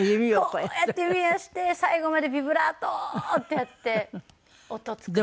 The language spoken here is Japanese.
こうやって弓をして最後までビブラートってやって音作って。